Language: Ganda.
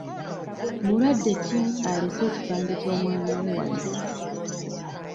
Mulwadde ki alese ekipande ky'omwana we wano?